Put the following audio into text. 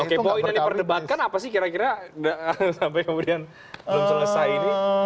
oke poin yang diperdebatkan apa sih kira kira sampai kemudian belum selesai ini